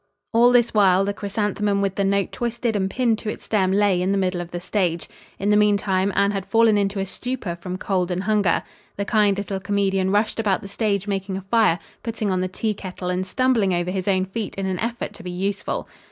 All this while, the chrysanthemum with the note twisted and pinned to its stem lay in the middle of the stage. In the meantime, Anne had fallen into a stupor from cold and hunger. The kind little comedian rushed about the stage, making a fire, putting on the tea kettle and stumbling over his own feet in an effort to be useful.